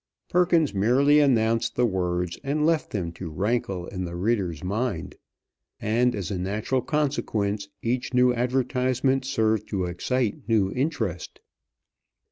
Perkins merely announced the words, and left them to rankle in the reader's mind; and as a natural consequence each new advertisement served to excite new interest.